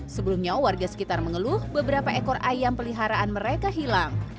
sebelumnya warga sekitar mengeluh beberapa ekor ayam peliharaan mereka hilang